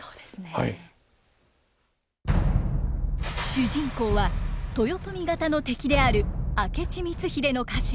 主人公は豊臣方の敵である明智光秀の家臣明智左馬介。